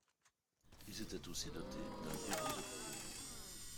Ils étaient aussi dotés d'un bélier de proue.